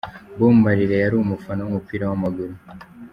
Bob Marley yari umufana w’umupira w’amaguru.